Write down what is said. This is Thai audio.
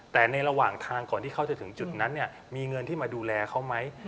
แต่ในระหว่างทางก่อนที่เขาจะถึงจุดนั้นเนี่ยมีเงินที่มาดูแลเขาไหม